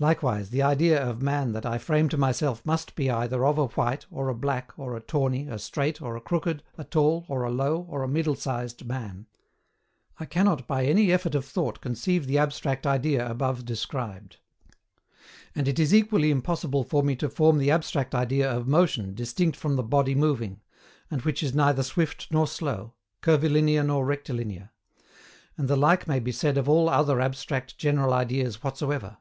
Likewise the idea of man that I frame to myself must be either of a white, or a black, or a tawny, a straight, or a crooked, a tall, or a low, or a middle sized man. I cannot by any effort of thought conceive the abstract idea above described. And it is equally impossible for me to form the abstract idea of motion distinct from the body moving, and which is neither swift nor slow, curvilinear nor rectilinear; and the like may be said of all other abstract general ideas whatsoever.